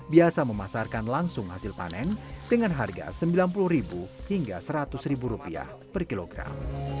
biasa memasarkan langsung hasil panen dengan harga rp sembilan puluh hingga rp seratus per kilogram